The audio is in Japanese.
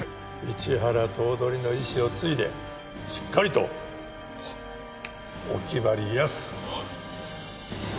一原頭取の遺志を継いでしっかりとお気張りやす。